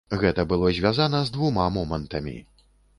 Гэта было звязана з двума момантамі.